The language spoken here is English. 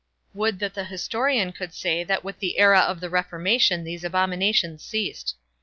Would that the historian could say that with the era of the Reformation these abominations ceased.